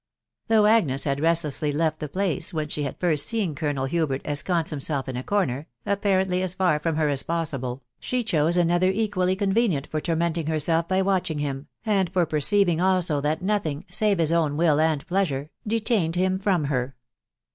Though Agnes had restlessly left the place whence she had first seen Colonel Hubert ensconce himself in a corner, appa rently as far from her as possible, she chose another equally convenient for tormenting herself by watching him, and far perceiving also that nothing, save his own will and pleasure, detained him from her.